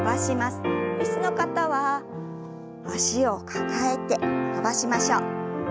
椅子の方は脚を抱えて伸ばしましょう。